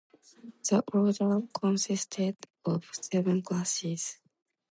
The order consisted of seven classes.